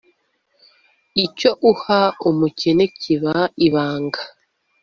mt icyo uha umukene kibe ibanga